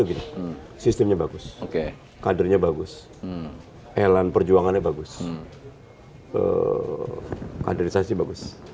itu sistemnya bagus oke kadernya bagus elan perjuangannya bagus ke kondisasi bagus